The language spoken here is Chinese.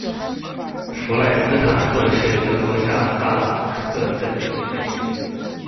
弗赖斯塔特是德国下萨克森州的一个市镇。